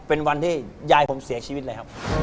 เป็นวันยายผมเสียชีวิตเลย